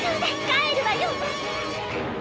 帰るわよ！